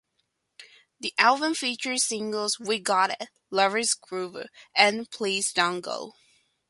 The album featured singles "We Got It", "Lover's Groove" and "Please Don't Go".